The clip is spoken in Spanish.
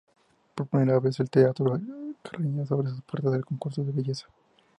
Por primera vez, el Teatro Teresa Carreño abre sus puertas al concurso de belleza.